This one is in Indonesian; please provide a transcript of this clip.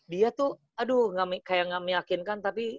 dia tuh aduh kayak gak meyakinkan tapi